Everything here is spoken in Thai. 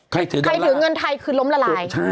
ใครถือใครถือเงินไทยคือล้มละลาย